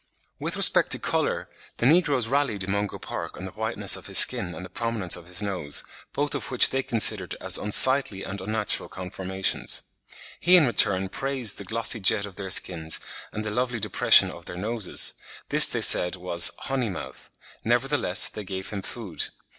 With respect to colour, the negroes rallied Mungo Park on the whiteness of his skin and the prominence of his nose, both of which they considered as "unsightly and unnatural conformations." He in return praised the glossy jet of their skins and the lovely depression of their noses; this they said was "honeymouth," nevertheless they gave him food.